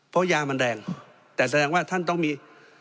เพราะยามันแรงแต่แสดงว่าท่านต้องมี